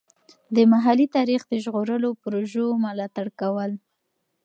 د محلي تاریخ د ژغورلو پروژو ملاتړ کول.